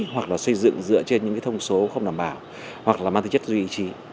hoặc xây dựng dựa trên những thông số không đảm bảo hoặc mang tư chất duy trì